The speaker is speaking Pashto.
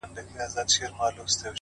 o دپاچا نزدېکت اور دئ٫